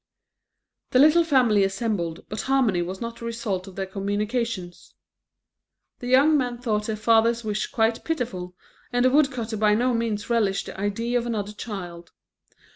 The little family assembled, but harmony was not the result of their communications. The young men thought their father's wish quite pitiful, and the woodcutter by no means relished the idea of another child.